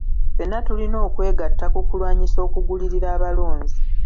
Ffenna tulina okwegatta ku kulwanyisa okugulirira abalonzi.